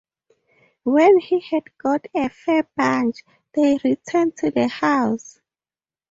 When he had got a fair bunch, they returned to the house.